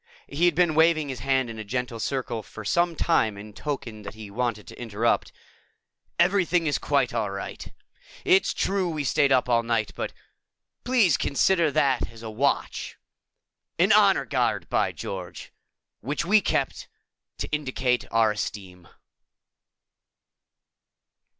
He had been waving his hand in a gentle circle for some time in token that he wanted to interrupt. "Everything is quite all right. It's true we stayed up all night, but please consider that as a watch an honor guard, by George! which we kept to indicate our esteem."